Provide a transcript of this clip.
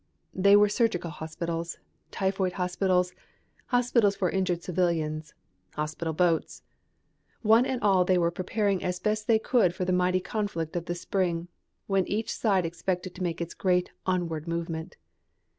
They were surgical hospitals, typhoid hospitals, hospitals for injured civilians, hospital boats. One and all they were preparing as best they could for the mighty conflict of the spring, when each side expected to make its great onward movement.